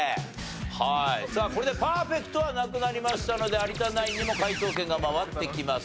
さあこれでパーフェクトはなくなりましたので有田ナインにも解答権が回ってきます。